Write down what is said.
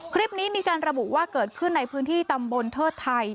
คลิปนี้มีการระบุว่าเกิดขึ้นในพื้นที่ตำบลเทิดไทย